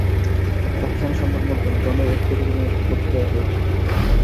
পাকিস্তানি সংবাদমাধ্যম ডনের এক প্রতিবেদনে এসব তথ্য দেওয়া হয়েছে।